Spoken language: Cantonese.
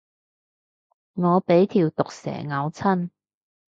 我俾條毒蛇咬親